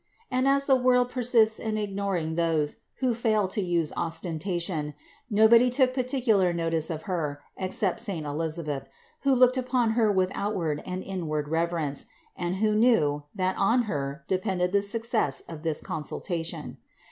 And as the world persists in ignoring those who fail to use ostentation, nobody took particular notice of Her except saint Elisa beth, who looked upon Her with outward and inward reverence and who knew, that on Her depended the success of this consultation.